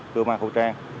cứ mang khẩu trang